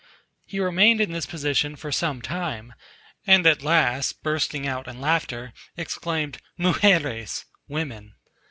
He remained in this position for some time, and at last, bursting out in laughter, exclaimed, "Mugeres!" (women!).